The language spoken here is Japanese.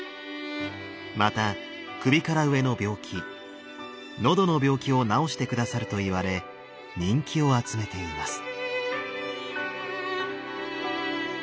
また首から上の病気喉の病気を治して下さるといわれ人気を集めています。